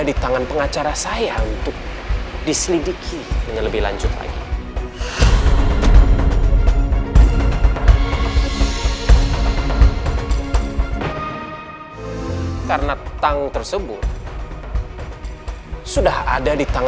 iya nanti saya keluar saya temuin dia